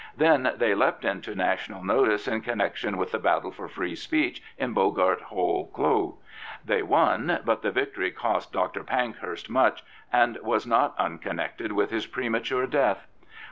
Then they leapt into national notice in connection with the battle for free speech in Boggart Hole Clough. They won, but the victory cost Dr. Pankhurst much, and was not unconnected with his premature death.